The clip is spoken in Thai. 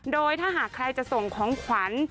โดยถ้าหากใครจะส่งของขวัญ